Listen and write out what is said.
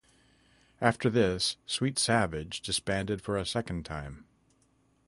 After this, Sweet Savage disbanded for a second time.